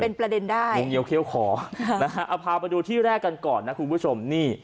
เป็นประเด็นได้วงเงียเขี้ยวขอนะฮะเอาพาไปดูที่แรกกันก่อนนะคุณผู้ชมนี่